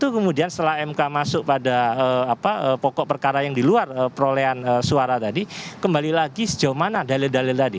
kemudian setelah mk masuk pada pokok perkara yang di luar perolehan suara tadi kembali lagi sejauh mana dalil dalil tadi